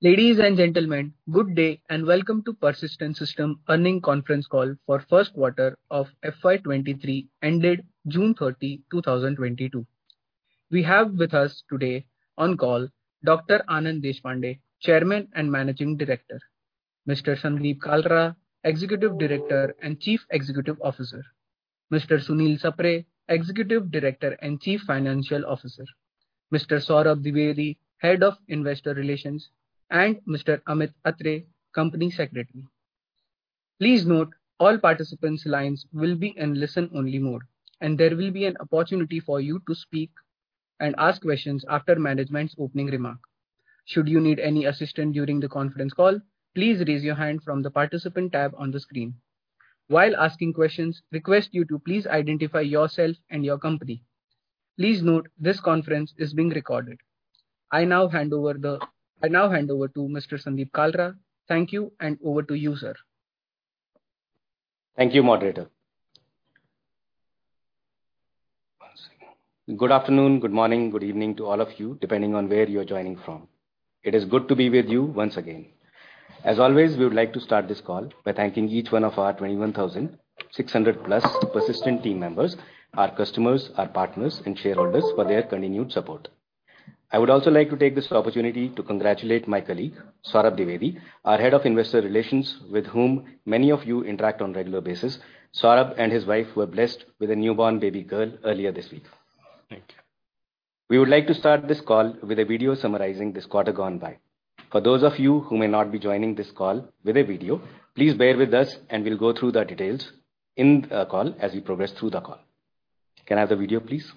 Ladies and gentlemen, good day and welcome to Persistent Systems Earnings Conference Call for first quarter of FY23 ended June 30, 2022. We have with us today on call Dr. Anand Deshpande, Chairman and Managing Director. Mr. Sandeep Kalra, Executive Director and Chief Executive Officer. Mr. Sunil Sapre, Executive Director and Chief Financial Officer. Mr. Saurabh Dwivedi, Head of Investor Relations, and Mr. Amit Atre, Company Secretary. Please note all participants' lines will be in listen only mode, and there will be an opportunity for you to speak and ask questions after management's opening remark. Should you need any assistance during the conference call, please raise your hand from the participant tab on the screen. While asking questions, request you to please identify yourself and your company. Please note this conference is being recorded. I now hand over to Mr. Sandeep Kalra. Thank you and over to you, sir. Thank you, moderator. One second. Good afternoon, good morning, good evening to all of you, depending on where you're joining from. It is good to be with you once again. As always, we would like to start this call by thanking each one of our 21,600+ Persistent team members, our customers, our partners and shareholders for their continued support. I would also like to take this opportunity to congratulate my colleague, Saurabh Dwivedi, our Head of Investor Relations, with whom many of you interact on regular basis. Saurabh and his wife were blessed with a newborn baby girl earlier this week. Thank you. We would like to start this call with a video summarizing this quarter gone by. For those of you who may not be joining this call with a video, please bear with us and we'll go through the details in the call as we progress through the call. Can I have the video, please?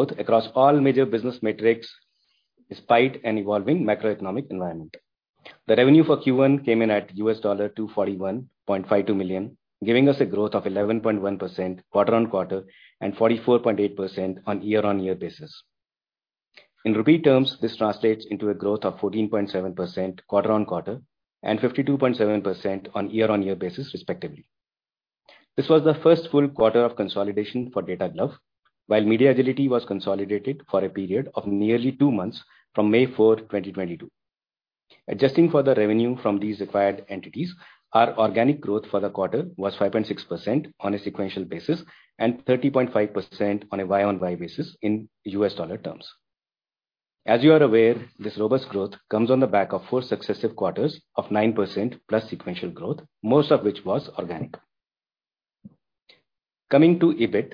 Of growth across all major business metrics despite an evolving macroeconomic environment. The revenue for Q1 came in at $241.52 million, giving us a growth of 11.1% quarter-on-quarter and 44.8% on a year-on-year basis. In rupee terms, this translates into a growth of 14.7% quarter-on-quarter and 52.7% on a year-on-year basis respectively. This was the first full quarter of consolidation for Data Glove, while MediaAgility was consolidated for a period of nearly two months from May 4, 2022. Adjusting for the revenue from these acquired entities, our organic growth for the quarter was 5.6% on a sequential basis and 30.5% on a YOY basis in U.S. dollar terms. As you are aware, this robust growth comes on the back of four successive quarters of 9%+ sequential growth, most of which was organic. Coming to EBIT.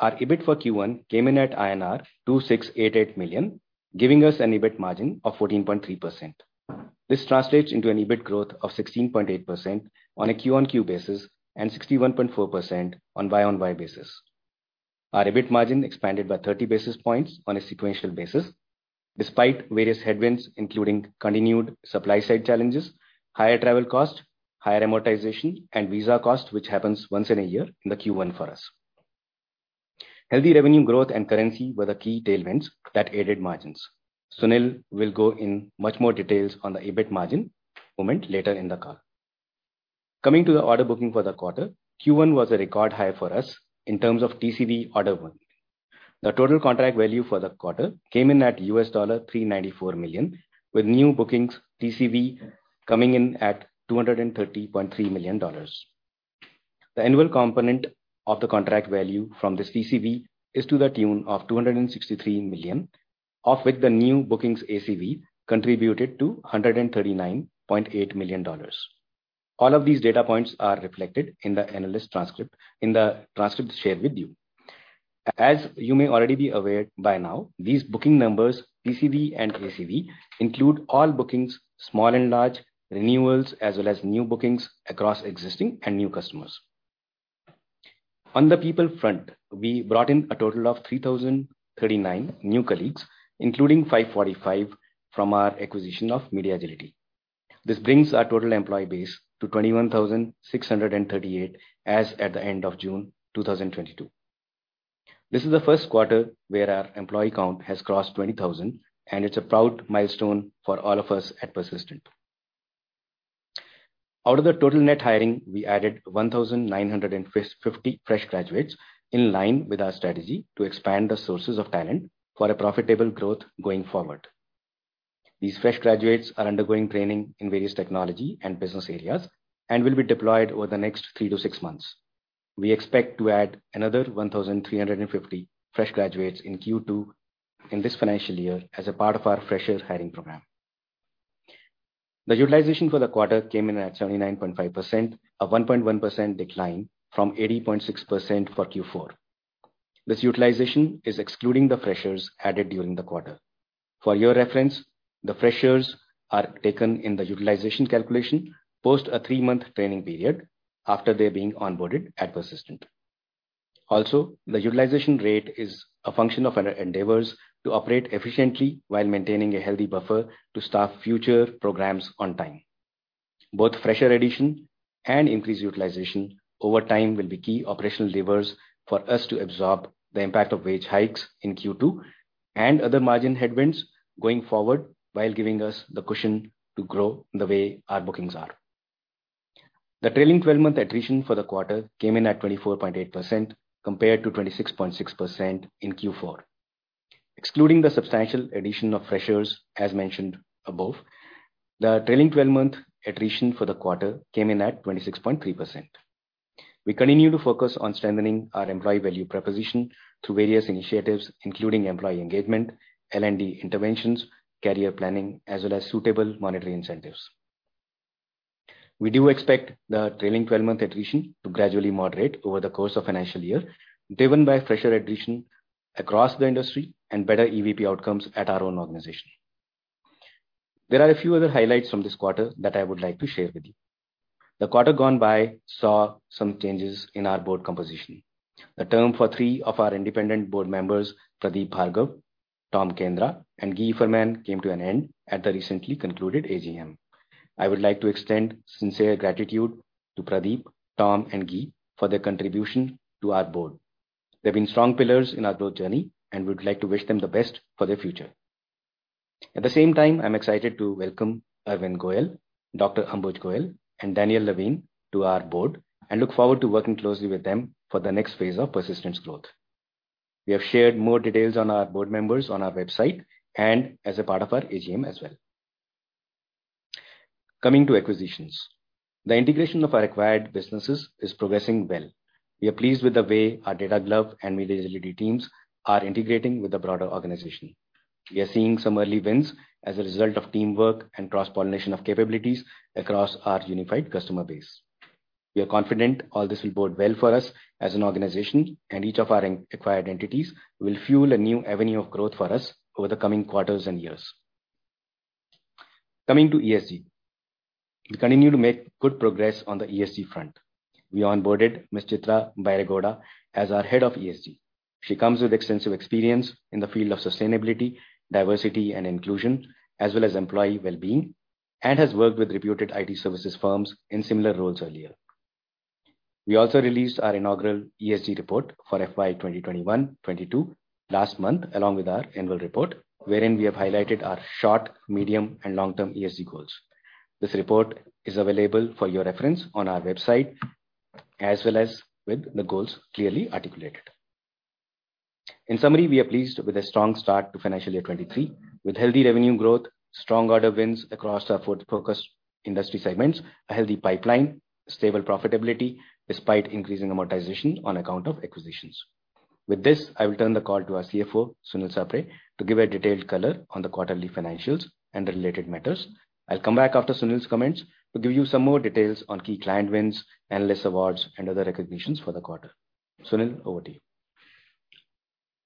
Our EBIT for Q1 came in at INR 2,688 million, giving us an EBIT margin of 14.3%. This translates into an EBIT growth of 16.8% on a QOQ basis and 61.4% on a YOY basis. Our EBIT margin expanded by 30 basis points on a sequential basis despite various headwinds, including continued supply side challenges, higher travel costs, higher amortization and visa costs, which happens once in a year in the Q1 for us. Healthy revenue growth and currency were the key tailwinds that aided margins. Sunil will go into much more detail on the EBIT margin movement later in the call. Coming to the order booking for the quarter. Q1 was a record high for us in terms of TCV order book. The total contract value for the quarter came in at $394 million, with new bookings TCV coming in at $230.3 million. The annual component of the contract value from this TCV is to the tune of $263 million, of which the new bookings ACV contributed one hundred and thirty-nine point eight million dollars. All of these data points are reflected in the transcript shared with you. As you may already be aware by now, these booking numbers, TCV and ACV, include all bookings, small and large, renewals, as well as new bookings across existing and new customers. On the people front, we brought in a total of 3,039 new colleagues, including 545 from our acquisition of MediaAgility. This brings our total employee base to 21,638 as at the end of June 2022. This is the first quarter where our employee count has crossed 20,000, and it's a proud milestone for all of us at Persistent. Out of the total net hiring, we added 1,950 fresh graduates in line with our strategy to expand the sources of talent for a profitable growth going forward. These fresh graduates are undergoing training in various technology and business areas and will be deployed over the next 3-6 months. We expect to add another 1,350 fresh graduates in Q2 in this financial year as a part of our freshers hiring program. The utilization for the quarter came in at 79.5%, a 1.1% decline from 80.6% for Q4. This utilization is excluding the freshers added during the quarter. For your reference, the freshers are taken in the utilization calculation post a 3-month training period after their being onboarded at Persistent. Also, the utilization rate is a function of our endeavors to operate efficiently while maintaining a healthy buffer to staff future programs on time. Both fresher addition and increased utilization over time will be key operational levers for us to absorb the impact of wage hikes in Q2 and other margin headwinds going forward while giving us the cushion to grow the way our bookings are. The trailing twelve-month attrition for the quarter came in at 24.8% compared to 26.6% in Q4. Excluding the substantial addition of freshers, as mentioned above, the trailing twelve-month attrition for the quarter came in at 26.3%. We continue to focus on strengthening our employee value proposition through various initiatives, including employee engagement, L&D interventions, career planning, as well as suitable monetary incentives. We do expect the trailing twelve-month attrition to gradually moderate over the course of financial year, driven by fresher addition across the industry and better EVP outcomes at our own organization. There are a few other highlights from this quarter that I would like to share with you. The quarter gone by saw some changes in our board composition. The term for three of our independent board members, Pradeep Bhargava, Tom Kendra, and Guy Eiferman, came to an end at the recently concluded AGM. I would like to extend sincere gratitude to Pradeep, Tom and Guy for their contribution to our board. They've been strong pillars in our board journey, and we'd like to wish them the best for their future. At the same time, I'm excited to welcome Arvind Goel, Dr. Ambuj Goyal, and Dan'l Lewin to our board and look forward to working closely with them for the next phase of Persistent's growth. We have shared more details on our board members on our website and as a part of our AGM as well. Coming to acquisitions. The integration of our acquired businesses is progressing well. We are pleased with the way our Data Glove and MediaAgility teams are integrating with the broader organization. We are seeing some early wins as a result of teamwork and cross-pollination of capabilities across our unified customer base. We are confident all this will bode well for us as an organization, and each of our acquired entities will fuel a new avenue of growth for us over the coming quarters and years. Coming to ESG. We continue to make good progress on the ESG front. We onboarded Ms. Chitra Byregowda as our head of ESG. She comes with extensive experience in the field of sustainability, diversity and inclusion, as well as employee wellbeing, and has worked with reputed IT services firms in similar roles earlier. We also released our inaugural ESG report for FY 2021/2022 last month, along with our annual report, wherein we have highlighted our short, medium and long-term ESG goals. This report is available for your reference on our website, as well as with the goals clearly articulated. In summary, we are pleased with a strong start to financial year 2023 with healthy revenue growth, strong order wins across our forward focused industry segments, a healthy pipeline, stable profitability despite increasing amortization on account of acquisitions. With this, I will turn the call to our CFO, Sunil Sapre, to give a detailed color on the quarterly financials and the related matters. I'll come back after Sunil's comments to give you some more details on key client wins, analyst awards and other recognitions for the quarter. Sunil, over to you.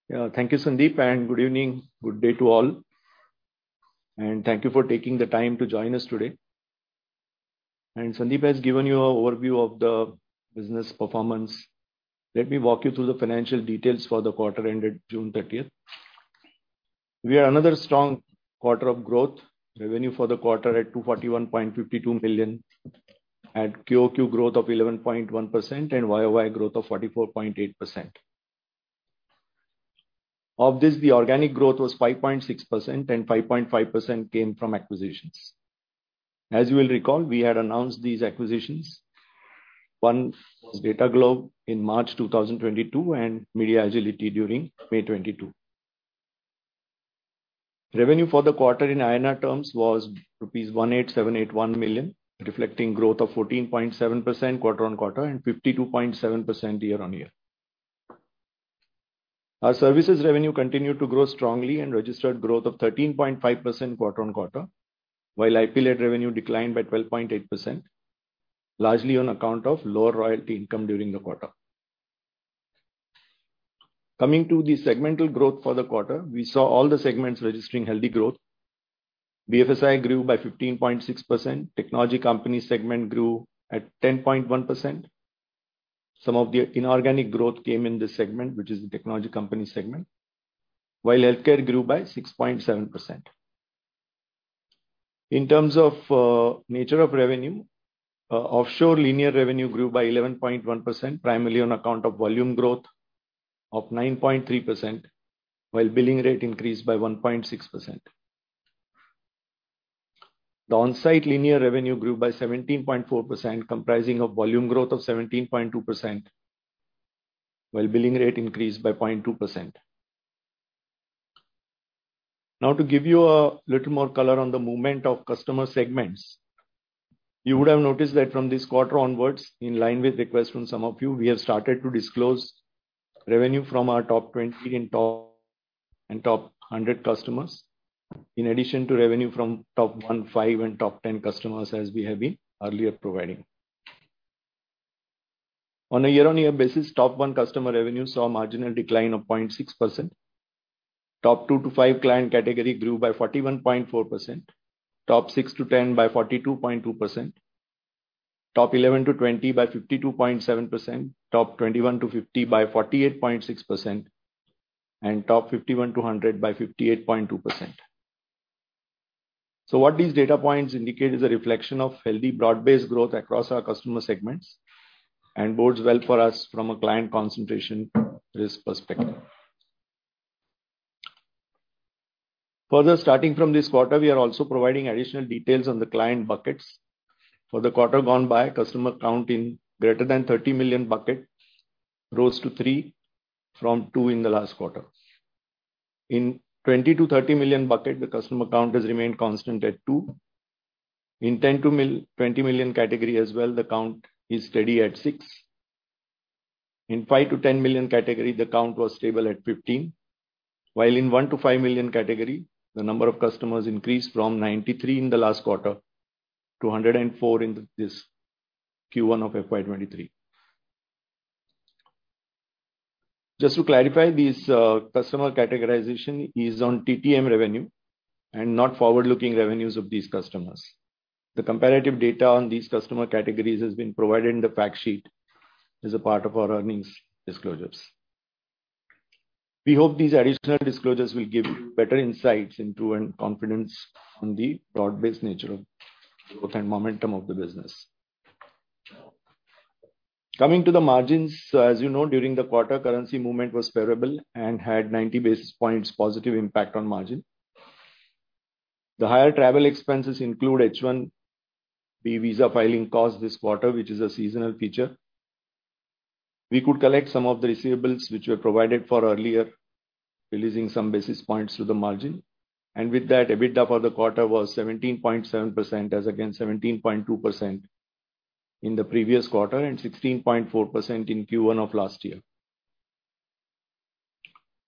Yeah. Thank you, Sandeep, and good evening. Good day to all. Thank you for taking the time to join us today. Sandeep has given you an overview of the business performance. Let me walk you through the financial details for the quarter ended June thirtieth. We had another strong quarter of growth. Revenue for the quarter at $241.52 million, at QOQ growth of 11.1% and YOY growth of 44.8%. Of this, the organic growth was 5.6% and 5.5% came from acquisitions. As you will recall, we had announced these acquisitions. One was Data Glove in March 2022 and MediaAgility during May 2022. Revenue for the quarter in INR terms was 1,878.1 million rupees, reflecting growth of 14.7% quarter-on-quarter and 52.7% year-on-year. Our services revenue continued to grow strongly and registered growth of 13.5% quarter-on-quarter, while IP-led revenue declined by 12.8%, largely on account of lower royalty income during the quarter. Coming to the segmental growth for the quarter, we saw all the segments registering healthy growth. BFSI grew by 15.6%. Technology company segment grew at 10.1%. Some of the inorganic growth came in this segment, which is the technology company segment. While healthcare grew by 6.7%. In terms of nature of revenue, offshore linear revenue grew by 11.1%, primarily on account of volume growth of 9.3%, while billing rate increased by 1.6%. The onsite linear revenue grew by 17.4% comprising of volume growth of 17.2%, while billing rate increased by 0.2%. Now to give you a little more color on the movement of customer segments. You would have noticed that from this quarter onwards, in line with requests from some of you, we have started to disclose revenue from our top 20 and top 100 customers, in addition to revenue from top 1, 5 and top 10 customers as we have been earlier providing. On a year-on-year basis, top 1 customer revenue saw a marginal decline of 0.6%. Top 2-5 client category grew by 41.4%. Top 6-10 by 42.2%. Top 11-20 by 52.7%. Top 21-50 by 48.6%, and top 51-100 by 58.2%. What these data points indicate is a reflection of healthy broad-based growth across our customer segments and bodes well for us from a client concentration risk perspective. Further, starting from this quarter, we are also providing additional details on the client buckets. For the quarter gone by, customer count in greater than $30 million bucket rose to 3 from 2 in the last quarter. In $20-$30 million bucket, the customer count has remained constant at 2. In $10-$20 million category as well, the count is steady at 6. In $5 million-$10 million category, the count was stable at 15. While in $1 million-$5 million category, the number of customers increased from 93 in the last quarter to 104 in this Q1 of FY 2023. Just to clarify, this customer categorization is on TTM revenue and not forward-looking revenues of these customers. The comparative data on these customer categories has been provided in the fact sheet as a part of our earnings disclosures. We hope these additional disclosures will give you better insights into and confidence on the broad-based nature of growth and momentum of the business. Coming to the margins. As you know, during the quarter, currency movement was favorable and had 90 basis points positive impact on margin. The higher travel expenses include H-1B visa filing costs this quarter, which is a seasonal feature. We could collect some of the receivables which were provided for earlier, releasing some basis points to the margin. With that, EBITDA for the quarter was 17.7% as against 17.2% in the previous quarter and 16.4% in Q1 of last year.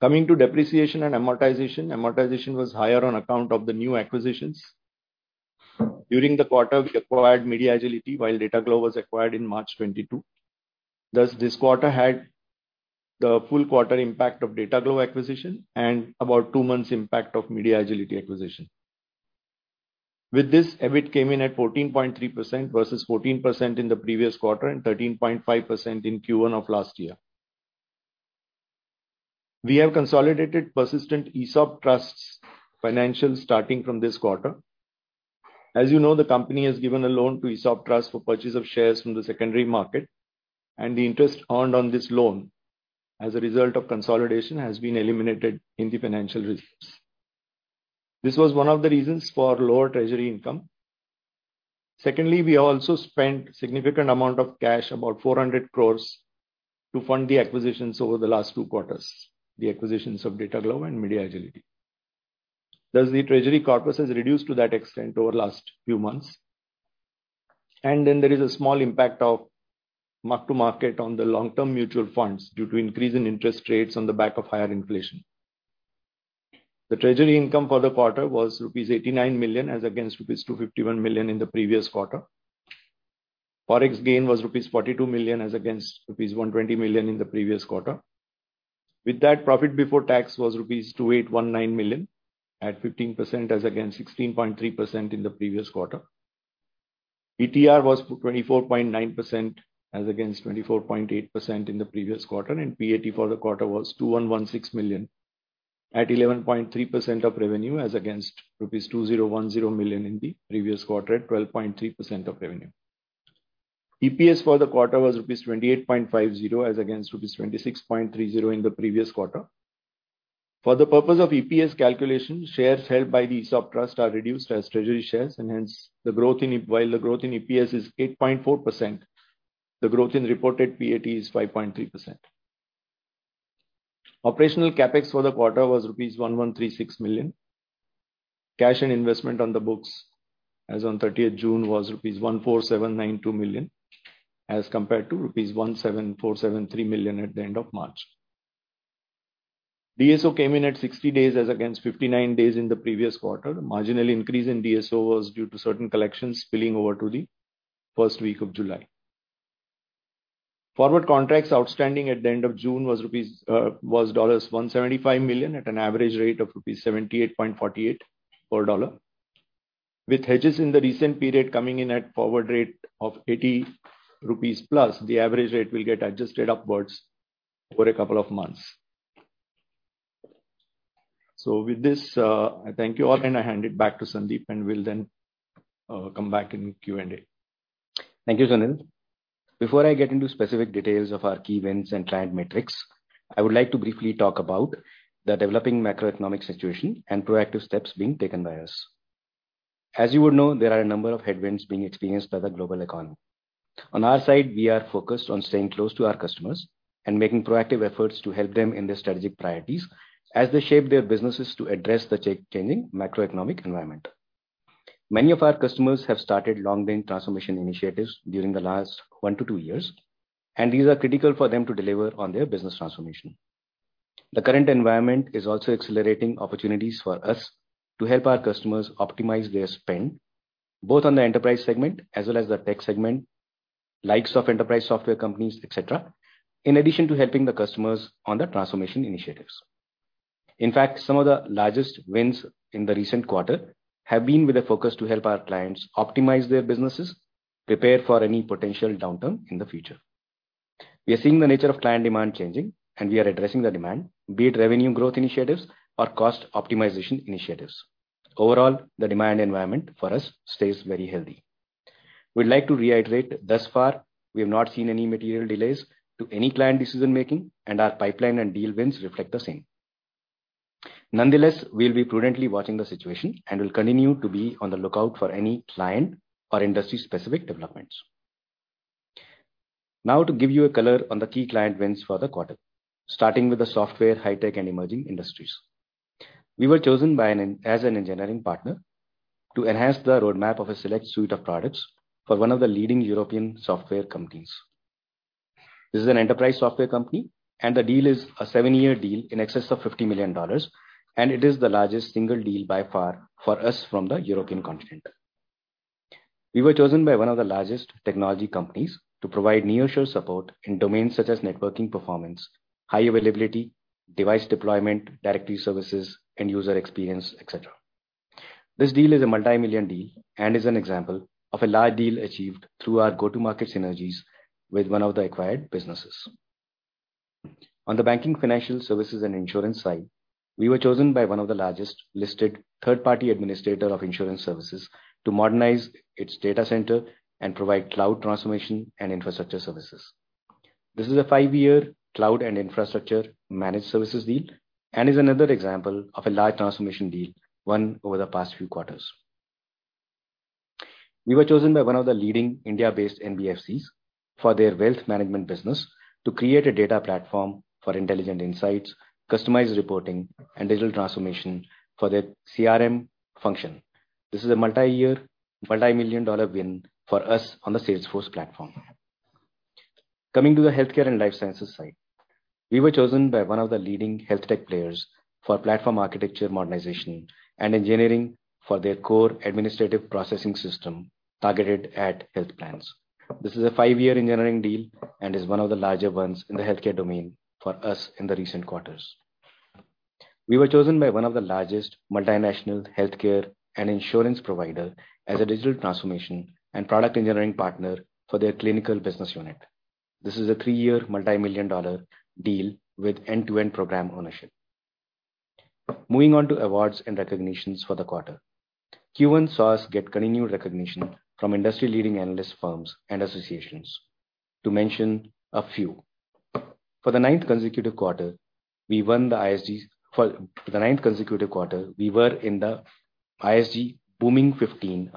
Coming to depreciation and amortization. Amortization was higher on account of the new acquisitions. During the quarter, we acquired MediaAgility while Data Glove was acquired in March 2022. Thus, this quarter had the full quarter impact of Data Glove acquisition and about 2 months impact of MediaAgility acquisition. With this, EBIT came in at 14.3% versus 14% in the previous quarter and 13.5% in Q1 of last year. We have consolidated Persistent ESOP Trust's financials starting from this quarter. As you know, the company has given a loan to ESOP Trust for purchase of shares from the secondary market, and the interest earned on this loan as a result of consolidation has been eliminated in the financial results. This was one of the reasons for lower treasury income. Secondly, we also spent significant amount of cash, about 400 crore, to fund the acquisitions over the last two quarters, the acquisitions of Data Glove Inc. and MediaAgility. Thus, the treasury corpus has reduced to that extent over last few months. There is a small impact of mark to market on the long-term mutual funds due to increase in interest rates on the back of higher inflation. The treasury income for the quarter was rupees 89 million as against rupees 251 million in the previous quarter. Forex gain was rupees 42 million as against rupees 120 million in the previous quarter. With that profit before tax was rupees 2,819 million at 15% as against 16.3% in the previous quarter. ETR was 24.9% as against 24.8% in the previous quarter, and PAT for the quarter was 2,116 million at 11.3% of revenue as against rupees 2,010 million in the previous quarter at 12.3% of revenue. EPS for the quarter was rupees 28.50, as against rupees 26.30 in the previous quarter. For the purpose of EPS calculation, shares held by the ESOP trust are reduced as treasury shares, and hence the growth in EPS is 8.4%, while the growth in reported PAT is 5.3%. Operational CapEx for the quarter was rupees 113.6 million. Cash and investment on the books as on thirtieth June was rupees 1,479.2 million, as compared to rupees 1,747.3 million at the end of March. DSO came in at 60 days as against 59 days in the previous quarter. The marginal increase in DSO was due to certain collections spilling over to the first week of July. Forward contracts outstanding at the end of June was $175 million at an average rate of rupees 78.48 per dollar. With hedges in the recent period coming in at forward rate of 80 rupees plus, the average rate will get adjusted upwards over a couple of months. With this, I thank you all, and I hand it back to Sandeep, and we'll then come back in Q&A. Thank you, Sunil. Before I get into specific details of our key wins and client metrics, I would like to briefly talk about the developing macroeconomic situation and proactive steps being taken by us. As you would know, there are a number of headwinds being experienced by the global economy. On our side, we are focused on staying close to our customers and making proactive efforts to help them in their strategic priorities as they shape their businesses to address the changing macroeconomic environment. Many of our customers have started long-term transformation initiatives during the last one to two years, and these are critical for them to deliver on their business transformation. The current environment is also accelerating opportunities for us to help our customers optimize their spend, both on the enterprise segment as well as the tech segment, likes of enterprise software companies, et cetera, in addition to helping the customers on their transformation initiatives. In fact, some of the largest wins in the recent quarter have been with a focus to help our clients optimize their businesses prepare for any potential downturn in the future. We are seeing the nature of client demand changing, and we are addressing the demand, be it revenue growth initiatives or cost optimization initiatives. Overall, the demand environment for us stays very healthy. We'd like to reiterate, thus far, we have not seen any material delays to any client decision-making, and our pipeline and deal wins reflect the same. Nonetheless, we'll be prudently watching the situation and will continue to be on the lookout for any client or industry-specific developments. Now to give you a color on the key client wins for the quarter, starting with the software, high tech, and emerging industries. We were chosen as an engineering partner to enhance the roadmap of a select suite of products for one of the leading European software companies. This is an enterprise software company, and the deal is a seven-year deal in excess of $50 million, and it is the largest single deal by far for us from the European continent. We were chosen by one of the largest technology companies to provide nearshore support in domains such as networking performance, high availability, device deployment, directory services, end-user experience, et cetera. This deal is a multi-million deal and is an example of a large deal achieved through our go-to-market synergies with one of the acquired businesses. On the banking, financial services, and insurance side, we were chosen by one of the largest listed third-party administrator of insurance services to modernize its data center and provide cloud transformation and infrastructure services. This is a five-year cloud and infrastructure managed services deal and is another example of a large transformation deal won over the past few quarters. We were chosen by one of the leading India-based NBFCs for their wealth management business to create a data platform for intelligent insights, customized reporting, and digital transformation for their CRM function. This is a multi-year, multi-million dollar win for us on the Salesforce platform. Coming to the healthcare and life sciences side. We were chosen by one of the leading health tech players for platform architecture modernization and engineering for their core administrative processing system targeted at health plans. This is a five-year engineering deal and is one of the larger ones in the healthcare domain for us in the recent quarters. We were chosen by one of the largest multinational healthcare and insurance provider as a digital transformation and product engineering partner for their clinical business unit. This is a three-year multi-million dollar deal with end-to-end program ownership. Moving on to awards and recognitions for the quarter. Q1 saw us get continued recognition from industry-leading analyst firms and associations, to mention a few. For the ninth consecutive quarter, we were in the ISG Booming 15.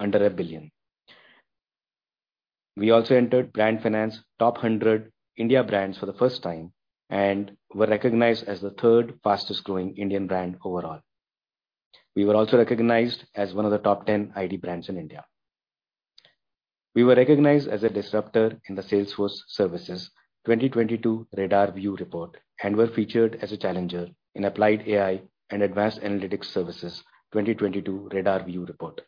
We also entered Brand Finance Top 100 India Brands for the first time and were recognized as the third fastest-growing Indian brand overall. We were also recognized as one of the top 10 IT brands in India. We were recognized as a disruptor in the Salesforce Services 2022 RadarView report and were featured as a challenger in Applied AI and Advanced Analytics Services 2022 RadarView report.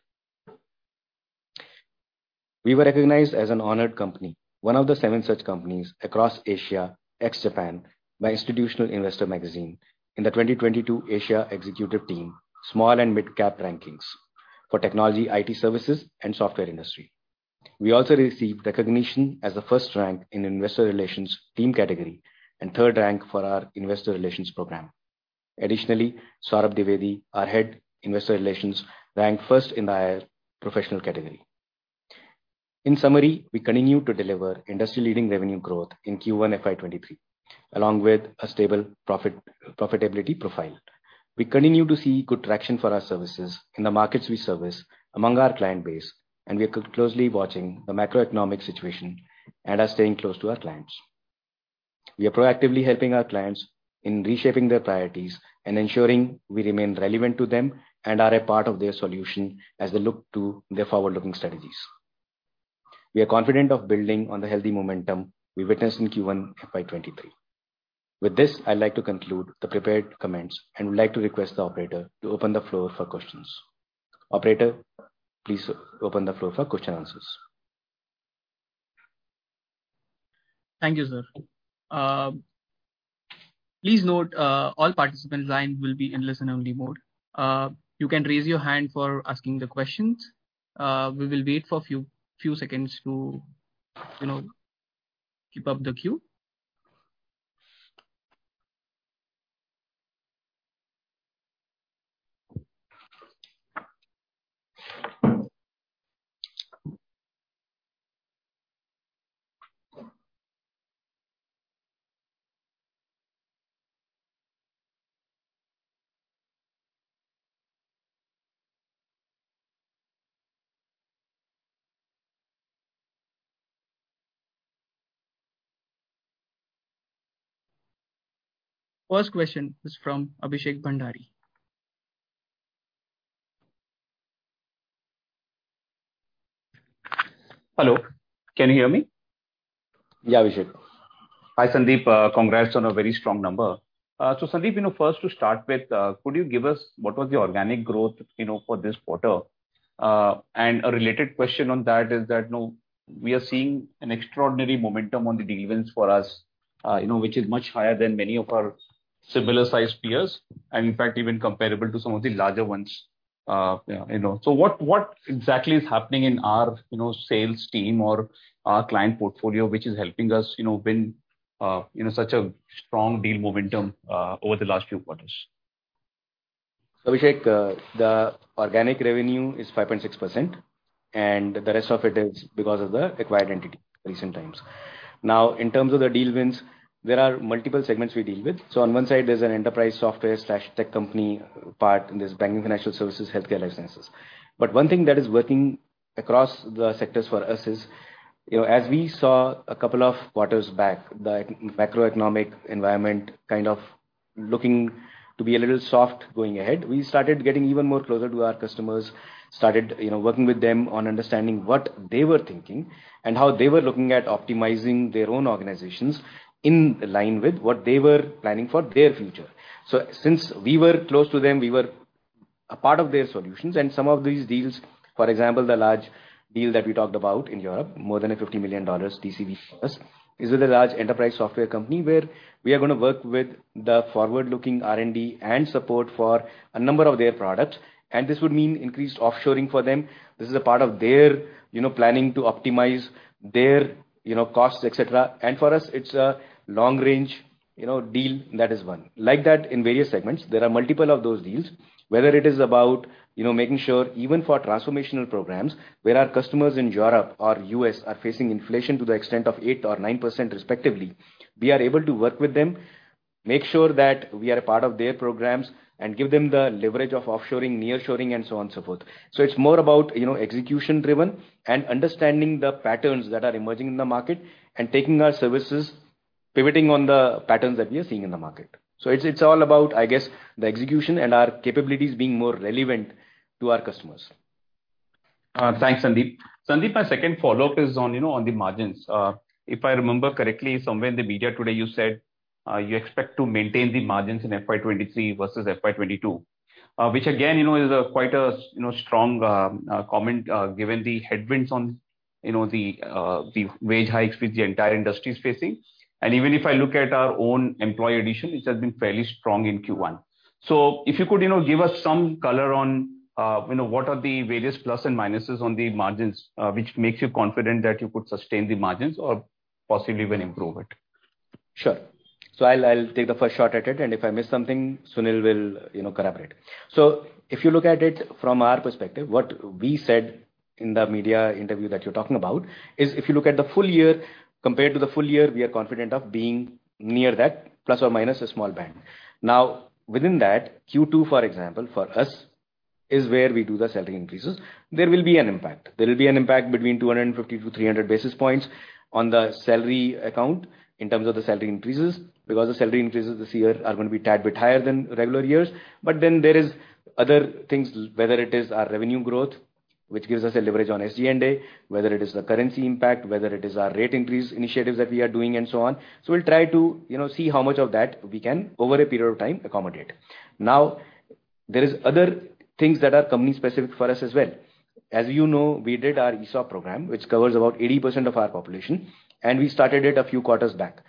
We were recognized as an honored company, one of the seven such companies across Asia, ex-Japan, by Institutional Investor magazine in the 2022 Asia Executive Team Small and Mid-Cap Rankings for technology, IT services, and software industry. We also received recognition as the first rank in investor relations team category and third rank for our investor relations program. Additionally, Saurabh Dwivedi, our Head, Investor Relations, ranked first in the IR professional category. In summary, we continue to deliver industry-leading revenue growth in Q1 FY23, along with a stable profitability profile. We continue to see good traction for our services in the markets we service among our client base, and we are closely watching the macroeconomic situation and are staying close to our clients. We are proactively helping our clients in reshaping their priorities and ensuring we remain relevant to them and are a part of their solution as they look to their forward-looking strategies. We are confident of building on the healthy momentum we witnessed in Q1 FY23. With this, I'd like to conclude the prepared comments and would like to request the operator to open the floor for questions. Operator, please open the floor for question answers. Thank you, sir. Please note, all participants' line will be in listen-only mode. You can raise your hand for asking the questions. We will wait for a few seconds to, you know, keep up the queue. First question is from Abhishek Bhandari. Hello, can you hear me? Yeah, Abhishek. Hi, Sandeep. Congrats on a very strong number. Sandeep, you know, first to start with, could you give us what was the organic growth, you know, for this quarter? A related question on that is that, you know, we are seeing an extraordinary momentum on the deal wins for us, you know, which is much higher than many of our similar-sized peers, and in fact, even comparable to some of the larger ones, you know. What exactly is happening in our, you know, sales team or our client portfolio, which is helping us, you know, win, you know, such a strong deal momentum, over the last few quarters? Abhishek, the organic revenue is 5.6%, and the rest of it is because of the acquired entity recent times. Now, in terms of the deal wins, there are multiple segments we deal with. On one side, there's an enterprise software/tech company part, and there's banking and financial services, healthcare life sciences. One thing that is working across the sectors for us is, you know, as we saw a couple of quarters back, the macroeconomic environment kind of looking to be a little soft going ahead. We started getting even more closer to our customers, you know, working with them on understanding what they were thinking and how they were looking at optimizing their own organizations in line with what they were planning for their future. Since we were close to them, we were a part of their solutions. Some of these deals, for example, the large deal that we talked about in Europe, more than a $50 million TCV for us, is with a large enterprise software company where we are gonna work with the forward-looking R&D and support for a number of their products, and this would mean increased offshoring for them. This is a part of their, you know, planning to optimize their, you know, costs, et cetera. For us, it's a long-range, you know, deal that is won. Like that in various segments, there are multiple of those deals. Whether it is about, you know, making sure even for transformational programs, where our customers in Europe or U.S. are facing inflation to the extent of 8% or 9% respectively, we are able to work with them, make sure that we are a part of their programs and give them the leverage of offshoring, nearshoring and so on and so forth. It's more about, you know, execution-driven and understanding the patterns that are emerging in the market and taking our services, pivoting on the patterns that we are seeing in the market. It's all about, I guess, the execution and our capabilities being more relevant to our customers. Thanks, Sandeep. Sandeep, my second follow-up is on, you know, on the margins. If I remember correctly, somewhere in the media today, you said you expect to maintain the margins in FY23 versus FY22. Which again, you know, is quite a strong comment, given the headwinds on, you know, the wage hikes which the entire industry is facing. Even if I look at our own employee addition, it has been fairly strong in Q1. If you could, you know, give us some color on, you know, what are the various plus and minuses on the margins, which makes you confident that you could sustain the margins or possibly even improve it? Sure. I'll take the first shot at it, and if I miss something, Sunil will, you know, collaborate. If you look at it from our perspective, what we said in the media interview that you're talking about is if you look at the full year compared to the full year, we are confident of being near that, plus or minus a small band. Now, within that, Q2, for example, for us is where we do the salary increases. There will be an impact between 250-300 basis points on the salary account in terms of the salary increases, because the salary increases this year are gonna be a tad bit higher than regular years. There is other things, whether it is our revenue growth, which gives us a leverage on SG&A, whether it is the currency impact, whether it is our rate increase initiatives that we are doing and so on. We'll try to, you know, see how much of that we can, over a period of time, accommodate. Now, there is other things that are company-specific for us as well. As you know, we did our ESOP program, which covers about 80% of our population, and we started it a few quarters back.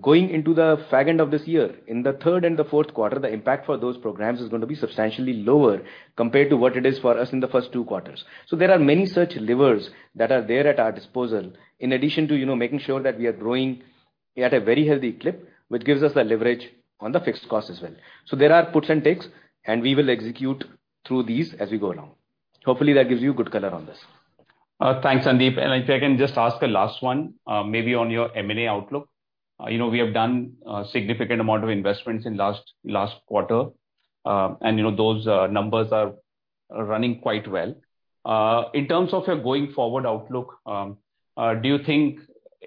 Going into the far end of this year, in the third and the fourth quarter, the impact for those programs is gonna be substantially lower compared to what it is for us in the first two quarters. There are many such levers that are there at our disposal in addition to, you know, making sure that we are growing at a very healthy clip, which gives us the leverage on the fixed cost as well. There are puts and takes, and we will execute through these as we go along. Hopefully that gives you good color on this. Thanks, Sandeep. If I can just ask a last one, maybe on your M&A outlook. You know, we have done a significant amount of investments in last quarter. You know, those numbers are running quite well. In terms of your going forward outlook, do you think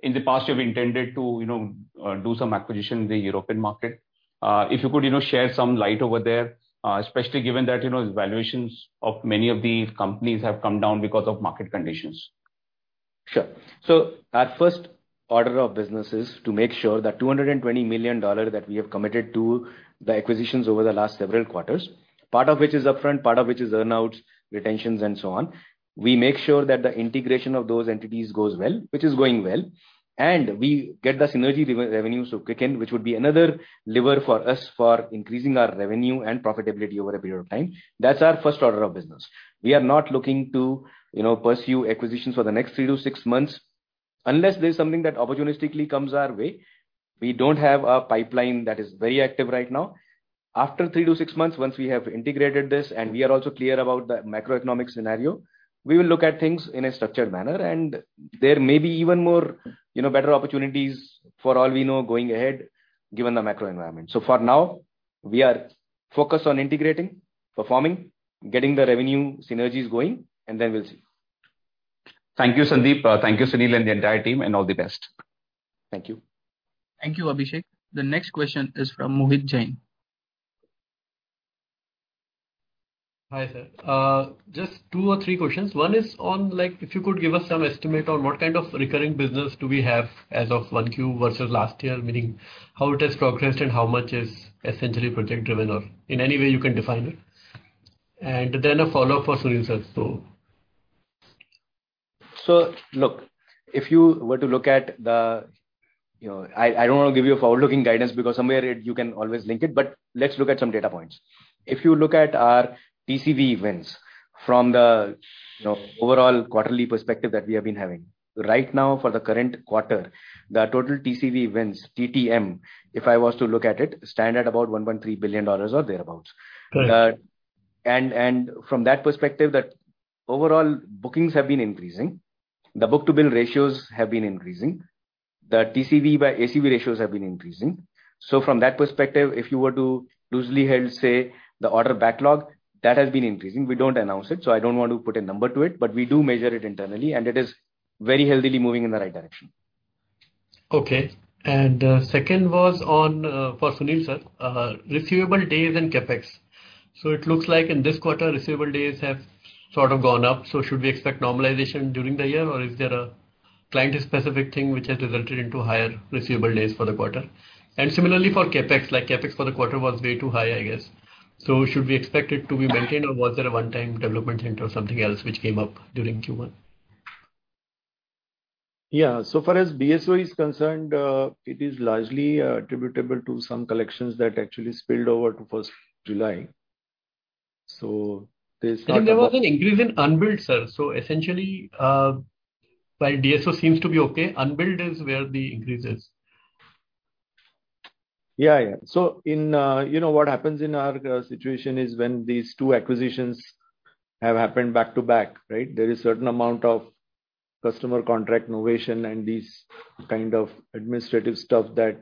in the past you have intended to, you know, do some acquisition in the European market. If you could, you know, share some light over there, especially given that, you know, valuations of many of these companies have come down because of market conditions. Sure. Our first order of business is to make sure that $220 million that we have committed to the acquisitions over the last several quarters, part of which is upfront, part of which is earn-outs, retentions and so on. We make sure that the integration of those entities goes well, which is going well, and we get the synergy revenue to kick in, which would be another lever for us for increasing our revenue and profitability over a period of time. That's our first order of business. We are not looking to, you know, pursue acquisitions for the next 3-6 months unless there's something that opportunistically comes our way. We don't have a pipeline that is very active right now. After three to six months, once we have integrated this and we are also clear about the macroeconomic scenario, we will look at things in a structured manner. There may be even more, you know, better opportunities for all we know going ahead, given the macro environment. For now, we are focused on integrating, performing, getting the revenue synergies going, and then we'll see. Thank you, Sandeep. Thank you, Sunil and the entire team, and all the best. Thank you. Thank you, Abhishek. The next question is from Mohit Jain. Hi, sir. Just two or three questions. One is on, like, if you could give us some estimate on what kind of recurring business do we have as of 1Q versus last year, meaning how it has progressed and how much is essentially project driven or in any way you can define it. Then a follow-up for Sunil, sir, so. Look, if you were to look at the, you know, I don't want to give you a forward-looking guidance because somewhere it, you can always link it. Let's look at some data points. If you look at our TCV wins from the, you know, overall quarterly perspective that we have been having. Right now for the current quarter, the total TCV wins TTM, if I was to look at it, stand at about $1.3 billion or thereabouts. Right. From that perspective, the overall bookings have been increasing. The book-to-bill ratios have been increasing. The TCV by ACV ratios have been increasing. From that perspective, if you were to loosely hold, say, the order backlog, that has been increasing. We don't announce it, so I don't want to put a number to it. We do measure it internally, and it is very healthily moving in the right direction. Okay. Second was on for Sunil, sir, receivable days and CapEx. It looks like in this quarter, receivable days have sort of gone up. Should we expect normalization during the year, or is there a client-specific thing which has resulted into higher receivable days for the quarter? Similarly for CapEx, like CapEx for the quarter was way too high, I guess. Should we expect it to be maintained, or was there a one-time development center or something else which came up during Q1? Yeah. So far as DSO is concerned, it is largely attributable to some collections that actually spilled over to first July. There's- There was an increase in unbilled, sir. Essentially, while DSO seems to be okay, unbilled is where the increase is. Yeah, yeah. In you know, what happens in our situation is when these two acquisitions have happened back to back, right? There is certain amount of customer contract novation and these kind of administrative stuff that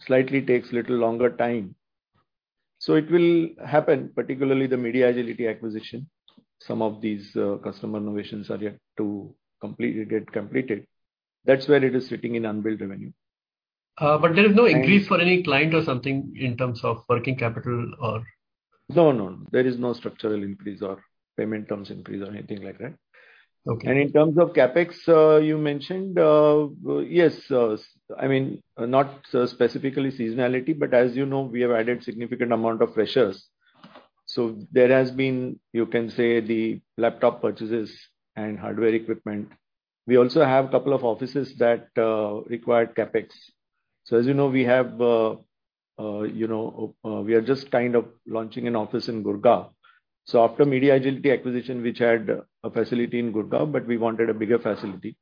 slightly takes little longer time. It will happen, particularly the MediaAgility acquisition. Some of these customer novations are yet to completely get completed. That's where it is sitting in unbilled revenue. there is no increase for any client or something in terms of working capital. No, no. There is no structural increase or payment terms increase or anything like that. Okay. In terms of CapEx, you mentioned yes, I mean, not specifically seasonality, but as you know, we have added significant amount of hires. You can say, there has been the laptop purchases and hardware equipment. We also have couple of offices that required CapEx. As you know, you know, we are just kind of launching an office in Gurgaon. After MediaAgility acquisition, which had a facility in Gurgaon, but we wanted a bigger facility.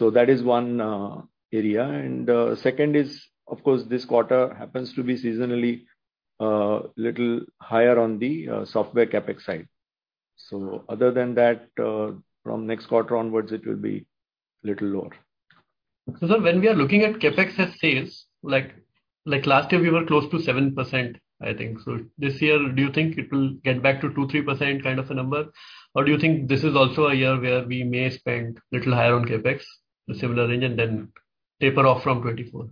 That is one area. Second is, of course, this quarter happens to be seasonally little higher on the software CapEx side. Other than that, from next quarter onwards, it will be little lower. When we are looking at CapEx as sales, like last year we were close to 7%, I think. This year, do you think it will get back to 2%-3% kind of a number? Do you think this is also a year where we may spend little higher on CapEx, a similar range, and then taper off from 2024?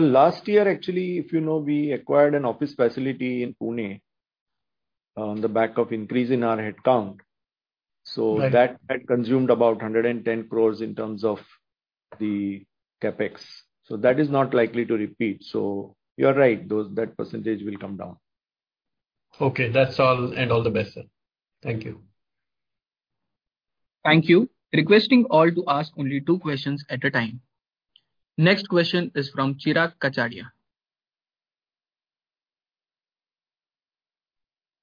Last year, actually, if you know, we acquired an office facility in Pune on the back of increase in our headcount. Right. That had consumed about 110 crore in terms of the CapEx. That is not likely to repeat. You are right, that percentage will come down. Okay. That's all. All the best, sir. Thank you. Thank you. Requesting all to ask only two questions at a time. Next question is from Chirag Kacharia.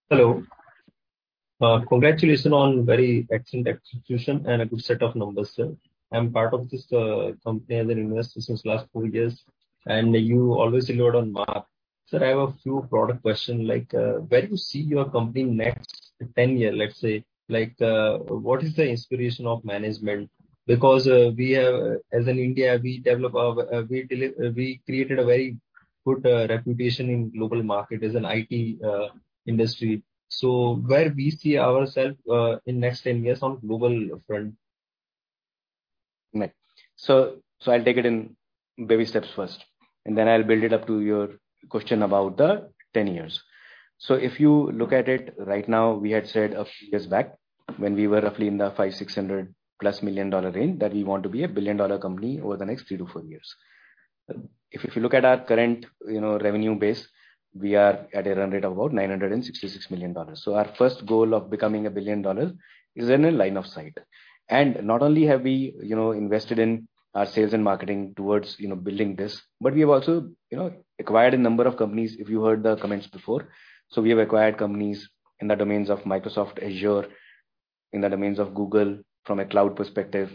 Hello. Congratulations on very excellent execution and a good set of numbers, sir. I'm part of this company as an investor since last four years, and you always delivered on par. I have a few product questions like, where do you see your company next 10 years, let's say? Like, what is the inspiration of management? Because, as in India, we created a very good reputation in global market as an IT industry. Where we see ourselves in next 10 years on global front? I'll take it in baby steps first, and then I'll build it up to your question about the ten years. If you look at it right now, we had said a few years back when we were roughly in the $500-$600+ million range, that we want to be a billion-dollar company over the next three to four years. If you look at our current, you know, revenue base, we are at a run rate of about $966 million. Our first goal of becoming a billion dollar is in the line of sight. Not only have we, you know, invested in our sales and marketing towards, you know, building this, but we have also, you know, acquired a number of companies, if you heard the comments before. We have acquired companies in the domains of Microsoft Azure, in the domains of Google from a cloud perspective.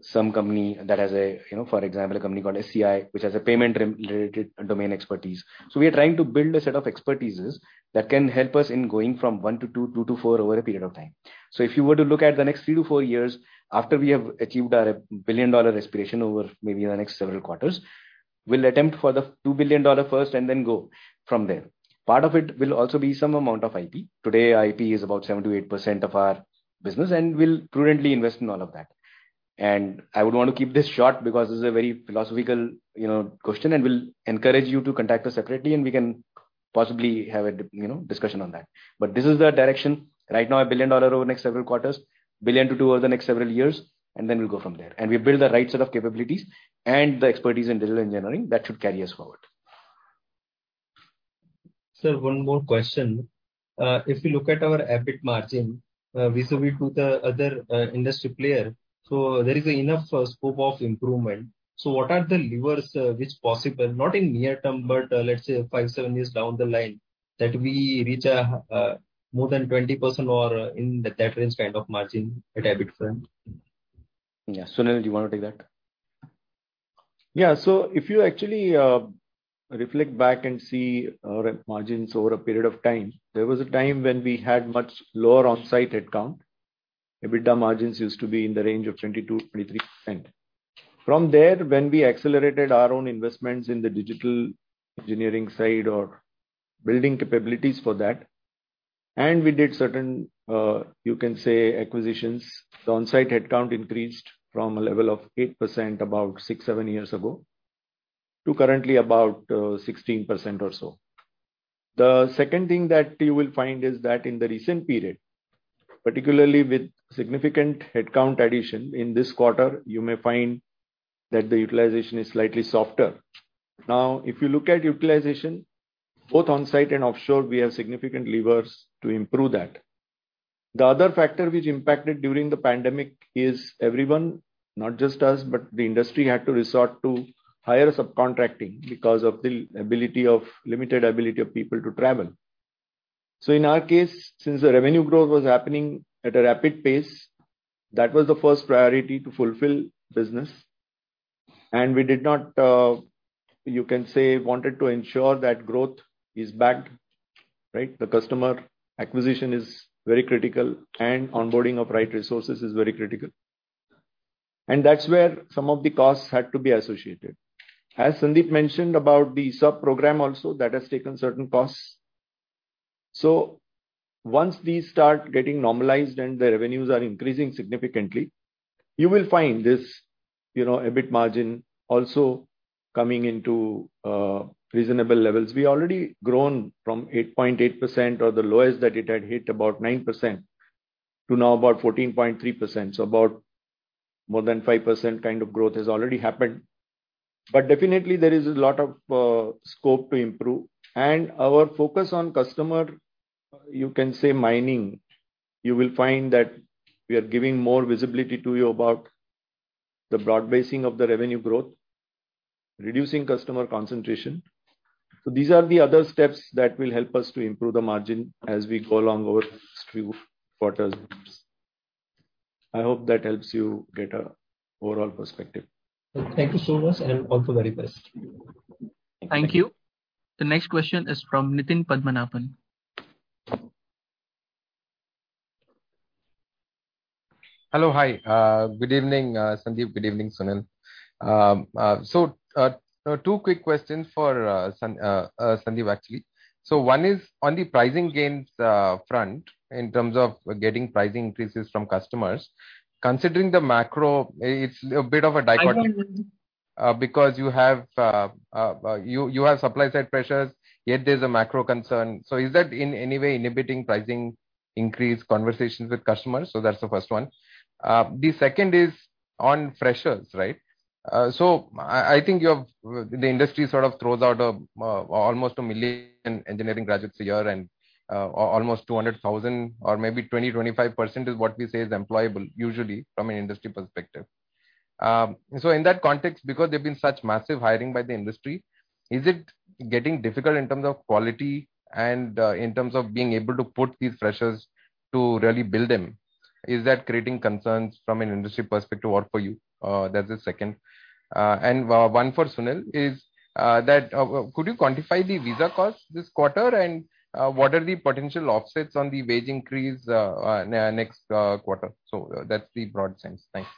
Some company that has a, you know, for example, a company called SCI, which has a payment-related domain expertise. We are trying to build a set of expertises that can help us in going from 1 to 2 to 4 over a period of time. If you were to look at the next 3-4 years after we have achieved our billion-dollar aspiration over maybe the next several quarters, we'll attempt for the $2 billion first and then go from there. Part of it will also be some amount of IP. Today, IP is about 7%-8% of our business, and we'll prudently invest in all of that. I would want to keep this short because this is a very philosophical, you know, question, and we'll encourage you to contact us separately and we can possibly have a, you know, discussion on that. But this is the direction. Right now, $1 billion over the next several quarters, $1 billion-$2 billion over the next several years, and then we'll go from there. We build the right set of capabilities and the expertise in digital engineering that should carry us forward. Sir, one more question. If you look at our EBIT margin, vis-à-vis to the other industry player, there is enough scope of improvement. What are the levers, which possible, not in near term, but let's say five, seven years down the line that we reach a more than 20% or in that range kind of margin at EBIT front? Yeah. Sunil, do you wanna take that? Yeah. If you actually reflect back and see our margins over a period of time, there was a time when we had much lower on-site headcount. EBITDA margins used to be in the range of 22%-23%. From there, when we accelerated our own investments in the digital engineering side or building capabilities for that, and we did certain, you can say acquisitions, the on-site headcount increased from a level of 8% about 6, 7 years ago to currently about 16% or so. The second thing that you will find is that in the recent period, particularly with significant headcount addition in this quarter, you may find that the utilization is slightly softer. Now, if you look at utilization, both on-site and offshore, we have significant levers to improve that. The other factor which impacted during the pandemic is everyone, not just us, but the industry had to resort to higher subcontracting because of the ability of, limited ability of people to travel. In our case, since the revenue growth was happening at a rapid pace, that was the first priority to fulfill business. We did not, you can say, wanted to ensure that growth is backed, right? The customer acquisition is very critical and onboarding of right resources is very critical. That's where some of the costs had to be associated. As Sandeep mentioned about the sub-program also, that has taken certain costs. Once these start getting normalized and the revenues are increasing significantly, you will find this, you know, EBIT margin also coming into reasonable levels. We already grown from 8.8% or the lowest that it had hit about 9% to now about 14.3%. About more than 5% kind of growth has already happened. Definitely there is a lot of scope to improve. Our focus on customer, you can say mining, you will find that we are giving more visibility to you about the broad basing of the revenue growth, reducing customer concentration. These are the other steps that will help us to improve the margin as we go along our three quarters. I hope that helps you get an overall perspective. Thank you so much and all the very best. Thank you. Thank you. The next question is from Nitin Padmanabhan. Hello. Hi. Good evening, Sandeep. Good evening, Sunil. Two quick questions for Sandeep, actually. One is on the pricing gains front in terms of getting pricing increases from customers. Considering the macro, it's a bit of a dichotomy, because you have supply side pressures, yet there's a macro concern. Is that in any way inhibiting pricing increase conversations with customers? That's the first one. The second is on freshers, right? I think you have... The industry sort of throws out almost 1 million engineering graduates a year and almost 200,000 or maybe 20-25% is what we say is employable usually from an industry perspective. In that context, because there's been such massive hiring by the industry, is it getting difficult in terms of quality and in terms of being able to put these freshers to really build them? Is that creating concerns from an industry perspective or for you? That's the second. One for Sunil is that could you quantify the visa costs this quarter? What are the potential offsets on the wage increase next quarter? That's the broad sense. Thanks.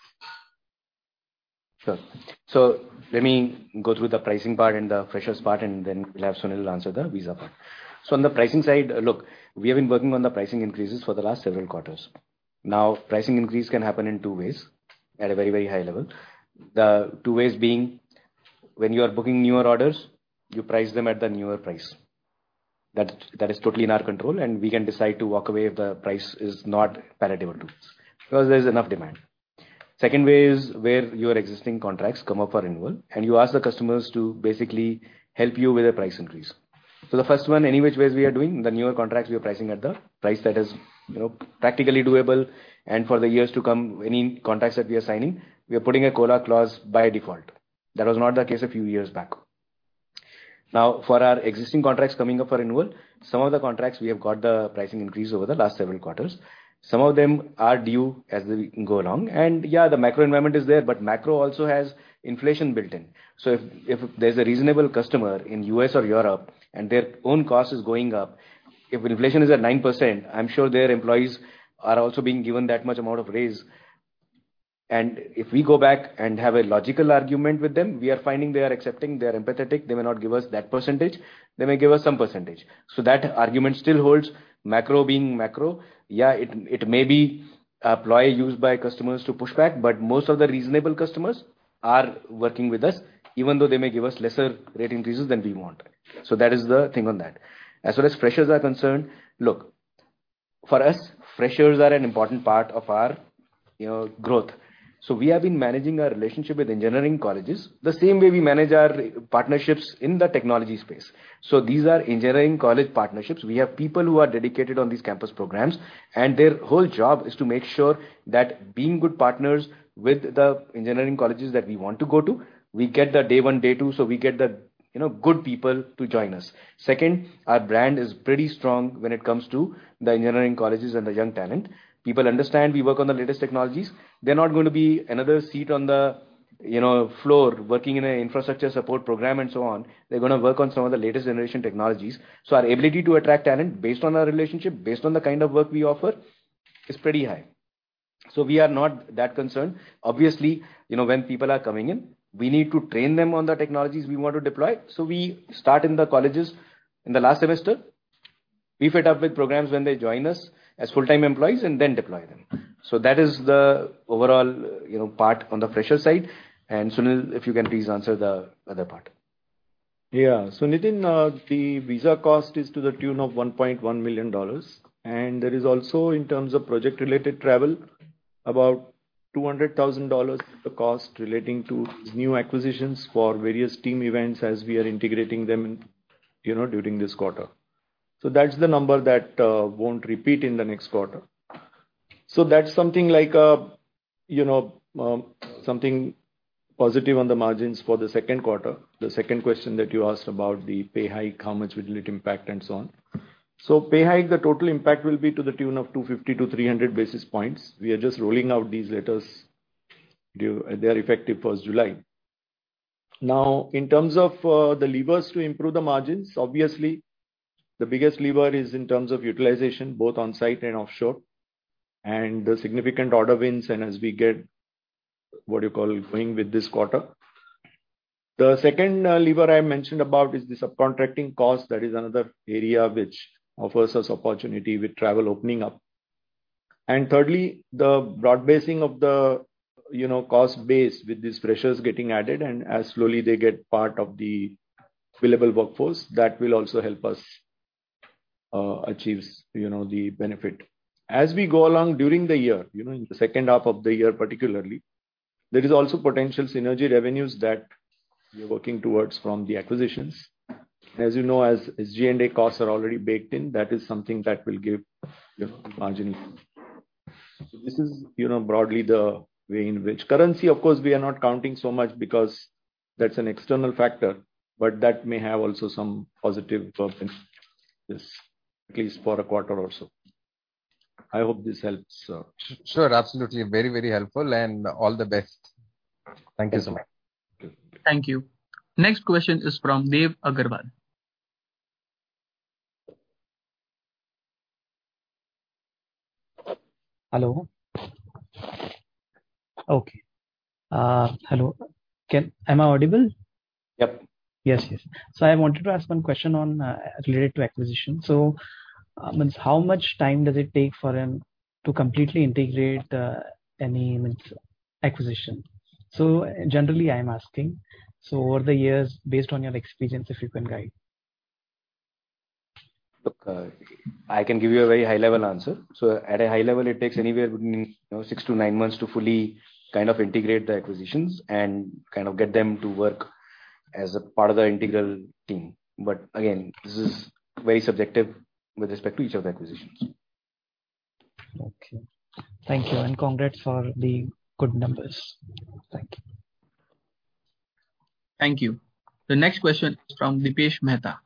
Sure. Let me go through the pricing part and the freshers part, and then we'll have Sunil answer the visa part. On the pricing side, look, we have been working on the pricing increases for the last several quarters. Now, pricing increase can happen in two ways at a very, very high level. The two ways being when you are booking newer orders, you price them at the newer price. That is totally in our control, and we can decide to walk away if the price is not palatable to us, because there is enough demand. Second way is where your existing contracts come up for renewal, and you ask the customers to basically help you with a price increase. The first one, any which ways we are doing, the newer contracts we are pricing at the price that is, you know, practically doable. For the years to come, any contracts that we are signing, we are putting a COLA clause by default. That was not the case a few years back. Now, for our existing contracts coming up for renewal, some of the contracts we have got the pricing increase over the last several quarters. Some of them are due as we go along. Yeah, the macro environment is there, but macro also has inflation built in. If there's a reasonable customer in U.S. or Europe and their own cost is going up, if inflation is at 9%, I'm sure their employees are also being given that much amount of raise. If we go back and have a logical argument with them, we are finding they are accepting, they are empathetic. They may not give us that percentage. They may give us some percentage. That argument still holds. Macro being macro, yeah, it may be a ploy used by customers to push back, but most of the reasonable customers are working with us, even though they may give us lesser rate increases than we want. That is the thing on that. As far as freshers are concerned, look, for us, freshers are an important part of our, you know, growth. We have been managing our relationship with engineering colleges the same way we manage our partnerships in the technology space. These are engineering college partnerships. We have people who are dedicated on these campus programs, and their whole job is to make sure that being good partners with the engineering colleges that we want to go to, we get the day one, day two, so we get the, you know, good people to join us. Second, our brand is pretty strong when it comes to the engineering colleges and the young talent. People understand we work on the latest technologies. They're not going to be another seat on the, you know, floor working in an infrastructure support program and so on. They're gonna work on some of the latest generation technologies. Our ability to attract talent based on our relationship, based on the kind of work we offer is pretty high. We are not that concerned. Obviously, you know, when people are coming in, we need to train them on the technologies we want to deploy. We start in the colleges in the last semester. We tie up with programs when they join us as full-time employees and then deploy them. That is the overall, you know, part on the fresher side. Sunil, if you can please answer the other part. Yeah. Nitin, the visa cost is to the tune of $1.1 million. There is also, in terms of project-related travel, about $200 thousand the cost relating to new acquisitions for various team events as we are integrating them in, you know, during this quarter. That's the number that won't repeat in the next quarter. That's something like, you know, something positive on the margins for the second quarter. The second question that you asked about the pay hike, how much will it impact and so on. Pay hike, the total impact will be to the tune of 250-300 basis points. We are just rolling out these letters due. They are effective first July. Now, in terms of the levers to improve the margins, obviously the biggest lever is in terms of utilization, both on-site and offshore, and the significant order wins and as we get going with this quarter. The second lever I mentioned about is the subcontracting cost. That is another area which offers us opportunity with travel opening up. Thirdly, the broad basing of the, you know, cost base with these freshers getting added and as slowly they get part of the billable workforce, that will also help us achieve, you know, the benefit. As we go along during the year, you know, in the second half of the year particularly, there is also potential synergy revenues that we are working towards from the acquisitions. As you know, G&A costs are already baked in, that is something that will give the margin. This is, you know, broadly the way in which currency, of course, we are not counting so much because that's an external factor, but that may have also some positive tokens, at least for a quarter or so. I hope this helps. Sure, absolutely. Very, very helpful and all the best. Thank you so much. Thank you. Next question is from Dev Aggarwal. Hello? Okay. Hello. Am I audible? Yep. Yes, yes. I wanted to ask one question on related to acquisition. How much time does it take for them to completely integrate any acquisition? Generally, I'm asking, so over the years, based on your experience, if you can guide. Look, I can give you a very high-level answer. At a high level, it takes anywhere between, you know, 6-9 months to fully kind of integrate the acquisitions and kind of get them to work as a part of the integral team. Again, this is very subjective with respect to each of the acquisitions. Okay. Thank you, and congrats for the good numbers. Thank you. Thank you. The next question is from Dipesh Mehta.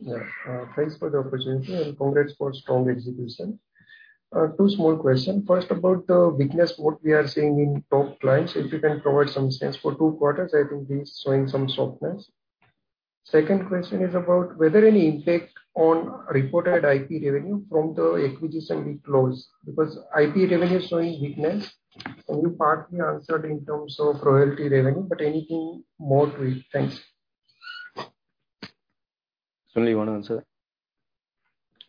Yeah, thanks for the opportunity and congrats for strong execution. Two small question. First, about the weakness what we are seeing in top clients, if you can provide some sense. For two quarters, I think this is showing some softness. Second question is about whether any impact on reported IP revenue from the acquisition we closed. Because IP revenue is showing weakness, only partly answered in terms of royalty revenue, but anything more to it? Thanks. Sunil, you wanna answer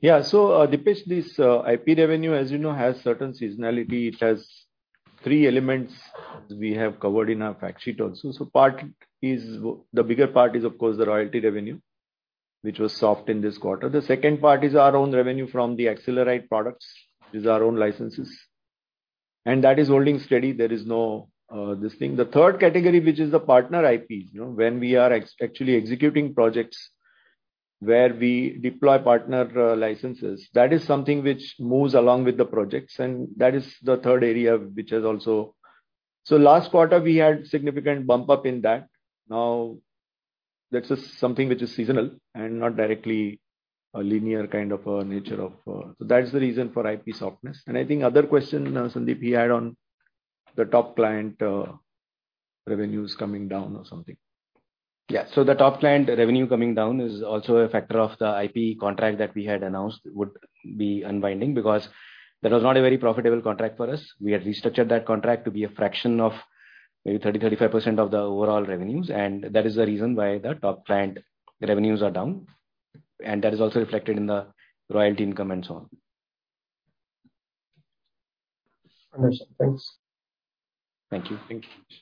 that? Dipesh, this IP revenue, as you know, has certain seasonality. It has three elements we have covered in our fact sheet also. The bigger part is, of course, the royalty revenue, which was soft in this quarter. The second part is our own revenue from the Accelerite products. These are our own licenses, and that is holding steady. There is no this thing. The third category, which is the partner IP. You know, when we are actually executing projects where we deploy partner licenses, that is something which moves along with the projects, and that is the third area which is also. Last quarter, we had significant bump up in that. Now, that's just something which is seasonal and not directly a linear kind of a nature of. That is the reason for IP softness. I think another question, Sandeep, he had on the top client revenues coming down or something. Yeah. The top client revenue coming down is also a factor of the IP contract that we had announced would be unbinding because that was not a very profitable contract for us. We had restructured that contract to be a fraction of maybe 30-35% of the overall revenues, and that is the reason why the top client revenues are down, and that is also reflected in the royalty income and so on. Understood. Thanks. Thank you. Thank you.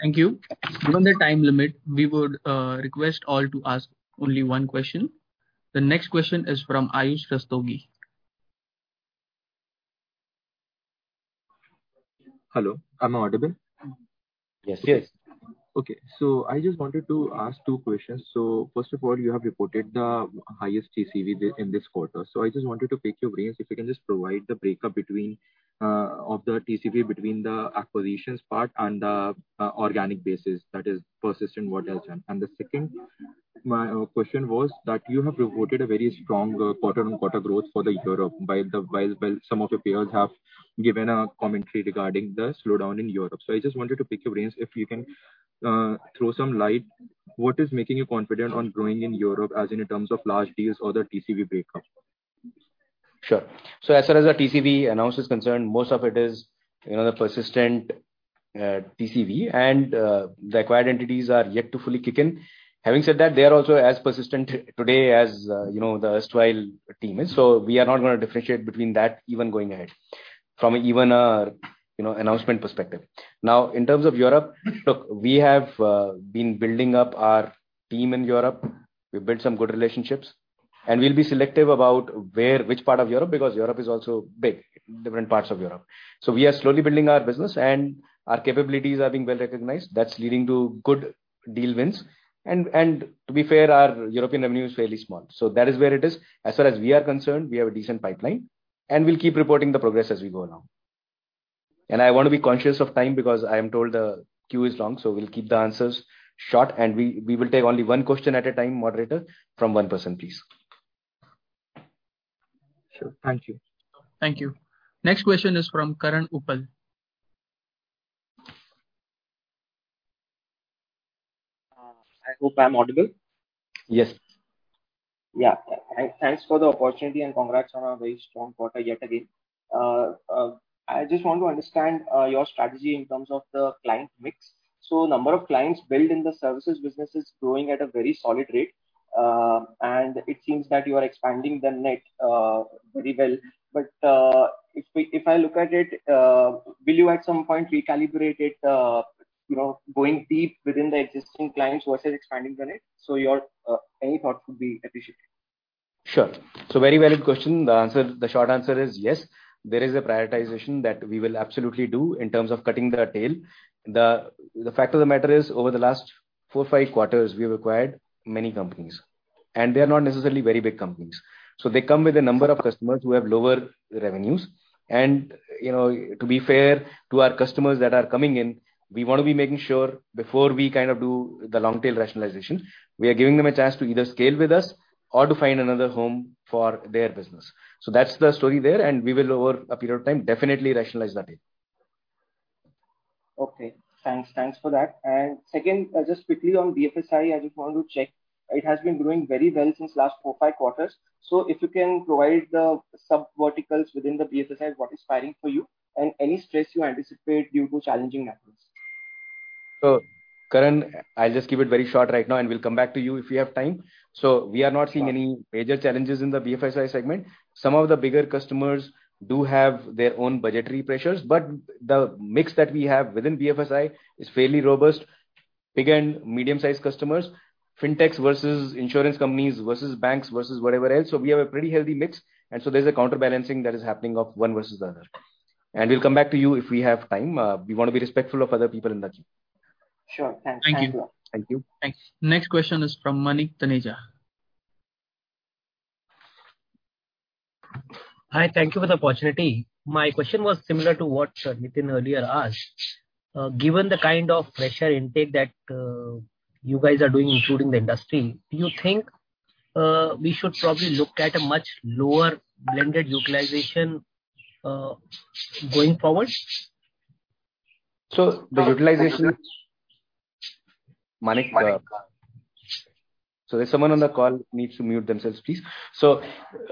Thank you. Given the time limit, we would request all to ask only one question. The next question is from Ayush Rastogi. Hello, am I audible? Yes. Yes. Okay. I just wanted to ask two questions. First of all, you have reported the highest TCV been in this quarter. I just wanted to pick your brains if you can just provide the breakup between of the TCV between the acquisitions part and the organic basis, that is Persistent, what else? The second, my question was that you have reported a very strong quarter-on-quarter growth for Europe while some of your peers have given a commentary regarding the slowdown in Europe. I just wanted to pick your brains if you can throw some light what is making you confident on growing in Europe as in terms of large deals or the TCV breakup? Sure. As far as the TCV announced is concerned, most of it is, you know, the Persistent TCV and the acquired entities are yet to fully kick in. Having said that, they are also as Persistent today as, you know, the erstwhile team is. We are not gonna differentiate between that even going ahead. From even an, you know, announcement perspective. Now, in terms of Europe, look, we have been building up our team in Europe. We've built some good relationships, and we'll be selective about where, which part of Europe, because Europe is also big, different parts of Europe. We are slowly building our business and our capabilities are being well-recognized. That's leading to good deal wins. And to be fair, our European revenue is fairly small. That is where it is. As far as we are concerned, we have a decent pipeline, and we'll keep reporting the progress as we go along. I wanna be conscious of time because I am told the queue is long, so we'll keep the answers short and we will take only one question at a time, moderator, from one person, please. Sure. Thank you. Thank you. Next question is from Karan Uppal. I hope I'm audible. Yes. Yeah. Thanks for the opportunity and congrats on a very strong quarter yet again. I just want to understand your strategy in terms of the client mix. Number of clients built in the services business is growing at a very solid rate, and it seems that you are expanding the net very well. If I look at it, will you at some point recalibrate it, you know, going deep within the existing clients versus expanding the net? Your any thought would be appreciated. Very valid question. The answer, the short answer is yes, there is a prioritization that we will absolutely do in terms of cutting the tail. The fact of the matter is, over the last 4-5 quarters, we've acquired many companies, and they are not necessarily very big companies. They come with a number of customers who have lower revenues. You know, to be fair to our customers that are coming in, we wanna be making sure before we kind of do the long tail rationalization, we are giving them a chance to either scale with us or to find another home for their business. That's the story there, and we will over a period of time definitely rationalize that in. Okay. Thanks. Thanks for that. Second, just quickly on BFSI, I just want to check. It has been growing very well since last 4-5 quarters. If you can provide the sub verticals within the BFSI, what is firing for you and any stress you anticipate due to challenging macros. Karan, I'll just keep it very short right now, and we'll come back to you if we have time. We are not seeing any major challenges in the BFSI segment. Some of the bigger customers do have their own budgetary pressures, but the mix that we have within BFSI is fairly robust. Big and medium sized customers, fintechs versus insurance companies versus banks versus whatever else, so we have a pretty healthy mix, and so there's a counterbalancing that is happening of one versus the other. We'll come back to you if we have time. We wanna be respectful of other people in the queue. Sure. Thanks. Thank you. Thank you. Thanks. Next question is from Manik Taneja. Hi. Thank you for the opportunity. My question was similar to what Nithin earlier asked. Given the kind of fresher intake that you guys are doing including the industry, do you think we should probably look at a much lower blended utilization going forward? The utilization. Manik. Manik. There's someone on the call needs to mute themselves, please.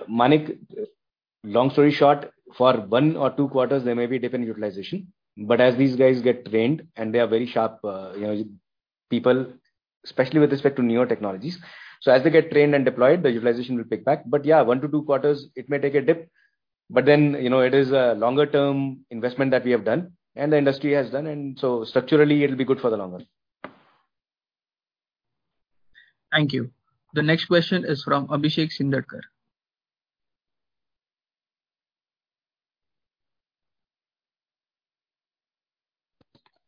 Manik, long story short, for one or two quarters there may be different utilization. As these guys get trained, and they are very sharp, you know, people, especially with respect to newer technologies. As they get trained and deployed, the utilization will pick back. Yeah, one to two quarters it may take a dip, but then, you know, it is a longer term investment that we have done and the industry has done, and so structurally it'll be good for the long run. Thank you. The next question is from Abhishek Shindadkar.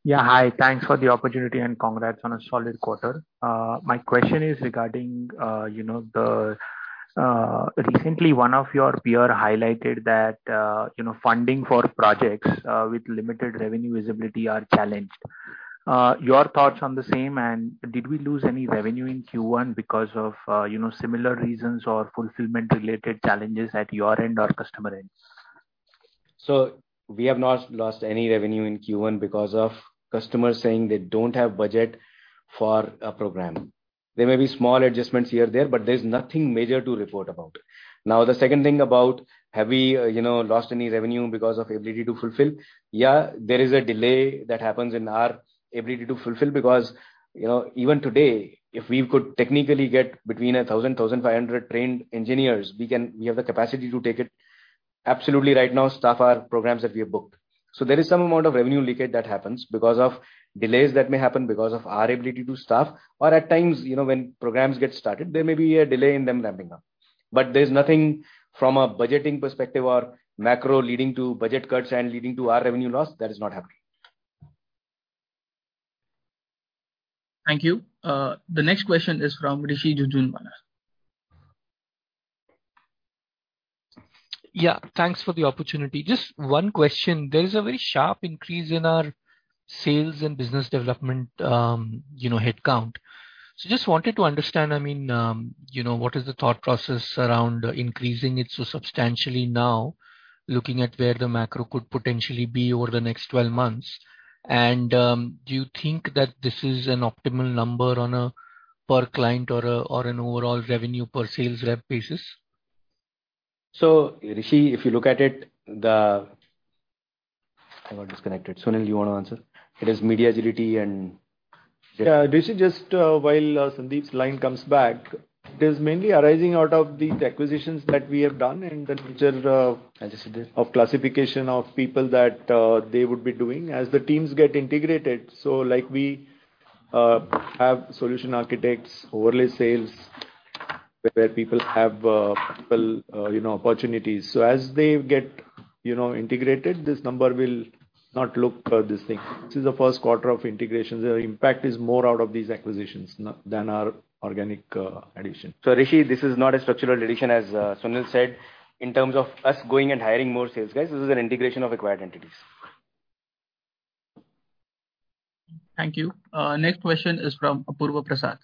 Yeah. Hi. Thanks for the opportunity and congrats on a solid quarter. My question is regarding, you know, recently one of your peer highlighted that, you know, funding for projects with limited revenue visibility are challenged. Your thoughts on the same and did we lose any revenue in Q1 because of, you know, similar reasons or fulfillment related challenges at your end or customer ends? We have not lost any revenue in Q1 because of customers saying they don't have budget for a program. There may be small adjustments here or there, but there's nothing major to report about. Now the second thing about have we, you know, lost any revenue because of ability to fulfill? Yeah, there is a delay that happens in our ability to fulfill because, you know, even today if we could technically get between 1,000-1,500 trained engineers, we can. We have the capacity to take it absolutely right now staff our programs that we have booked. There is some amount of revenue leakage that happens because of delays that may happen because of our ability to staff or at times, you know, when programs get started there may be a delay in them ramping up. There's nothing from a budgeting perspective or macro leading to budget cuts and leading to our revenue loss. That is not happening. Thank you. The next question is from Rishi Jhunjhunwala. Yeah. Thanks for the opportunity. Just one question. There is a very sharp increase in our sales and business development, you know, headcount. Just wanted to understand, I mean, you know, what is the thought process around increasing it so substantially now looking at where the macro could potentially be over the next 12 months. Do you think that this is an optimal number on a per client or an overall revenue per sales rep basis? Rishi, if you look at it, I got disconnected. Sunil, you wanna answer? It is MediaAgility and- Yeah. Rishi, just while Sandeep's line comes back. It is mainly arising out of the acquisitions that we have done and the nature of. As you said. of classification of people that they would be doing as the teams get integrated. Like we have solution architects overlay sales where people have, well, you know, opportunities. As they get, you know, integrated, this number will not look this thing. This is the first quarter of integration. The impact is more out of these acquisitions than our organic addition. Rishi, this is not a structural addition as Sunil said. In terms of us going and hiring more sales guys, this is an integration of acquired entities. Thank you. Next question is from Apurva Prasad.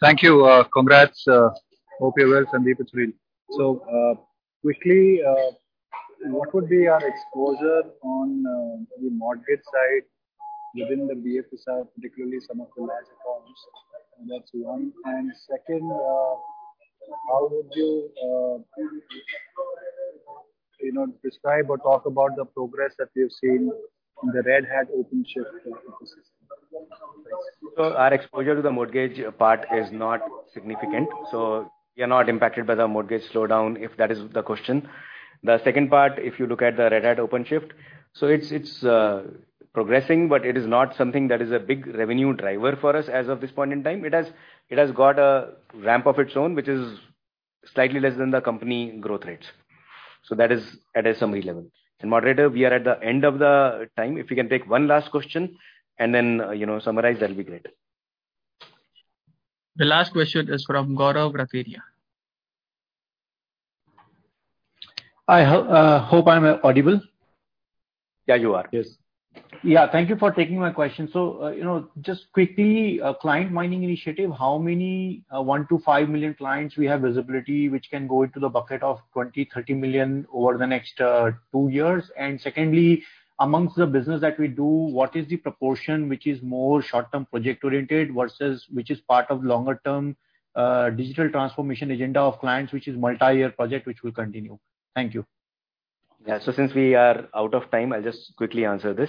Thank you. Congrats. Hope you're well, Sandeep. Quickly, what would be our exposure on the mortgage side within the BFSI, particularly some of the larger firms? That's one. Second, how would you know, describe or talk about the progress that we've seen in the Red Hat OpenShift ecosystem? Thanks. Our exposure to the mortgage part is not significant, so we are not impacted by the mortgage slowdown, if that is the question. The second part, if you look at the Red Hat OpenShift, so it's progressing but it is not something that is a big revenue driver for us as of this point in time. It has got a ramp of its own which is slightly less than the company growth rates. That is at a summary level. Moderator, we are at the end of the time. If we can take one last question and then, you know, summarize, that'll be great. The last question is from Gaurav Rateria. I hope I'm audible. Yeah, you are. Yes. Yeah. Thank you for taking my question. You know, just quickly, client mining initiative, how many, 1-5 million clients we have visibility which can go into the bucket of 20-30 million over the next, 2 years? Secondly, amongst the business that we do, what is the proportion which is more short-term project oriented versus which is part of longer term, digital transformation agenda of clients which is multi-year project which will continue? Thank you. Yeah. Since we are out of time, I'll just quickly answer this.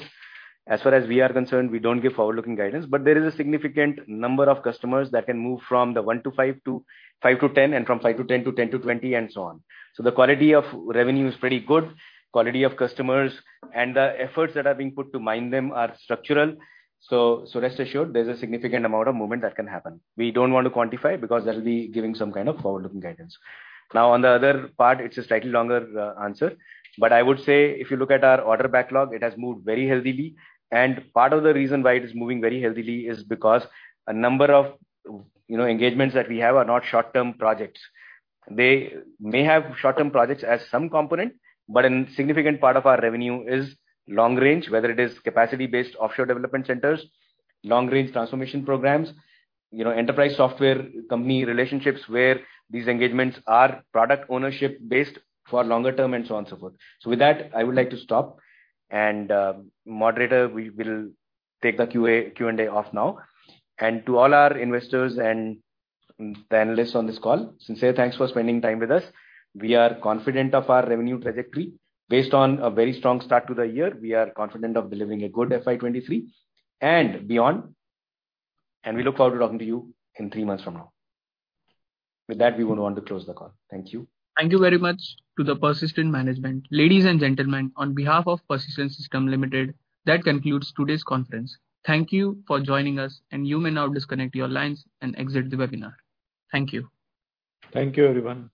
As far as we are concerned, we don't give forward-looking guidance, but there is a significant number of customers that can move from the 1 to 5 to 5 to 10 and from 5 to 10 to 10 to 20 and so on. The quality of revenue is pretty good. Quality of customers and the efforts that are being put to mine them are structural. Rest assured there's a significant amount of movement that can happen. We don't want to quantify because that'll be giving some kind of forward-looking guidance. Now on the other part it's a slightly longer answer, but I would say if you look at our order backlog it has moved very healthily and part of the reason why it is moving very healthily is because a number of, you know, engagements that we have are not short-term projects. They may have short-term projects as some component, but an significant part of our revenue is long range, whether it is capacity based offshore development centers, long range transformation programs, you know, enterprise software company relationships where these engagements are product ownership based for longer term and so on and so forth. So with that I would like to stop and, moderator we will take the QA, Q&A off now. To all our investors and the analysts on this call, sincere thanks for spending time with us. We are confident of our revenue trajectory. Based on a very strong start to the year, we are confident of delivering a good FY 2023 and beyond, and we look forward to talking to you in three months from now. With that, we would want to close the call. Thank you. Thank you very much to the Persistent management. Ladies and gentlemen, on behalf of Persistent Systems Limited, that concludes today's conference. Thank you for joining us and you may now disconnect your lines and exit the webinar. Thank you. Thank you everyone.